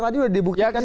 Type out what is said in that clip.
tadi sudah dibuktikan